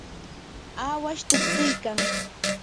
awash tuktuykan.